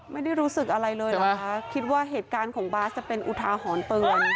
ไม่ได้รู้สึกอะไรเลยเหรอคะคิดว่าเหตุการณ์ของบาสจะเป็นอุทาหรณ์เตือน